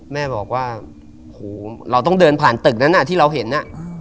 แม่บอกว่าหูเราต้องเดินผ่านตึกนั้นที่เราเห็น